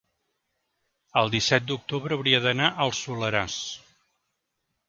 el disset d'octubre hauria d'anar al Soleràs.